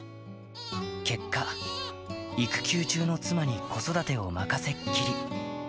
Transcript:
結果、育休中の妻に子育てを任せっきり。